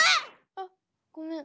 あごめん。